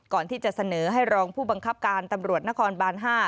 ก่อนที่จะเสนอให้รองผู้บังคับการตำรวจนครบาน๕